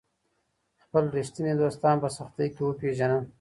خپل ریښتیني دوستان په سختۍ کي وپیژنه.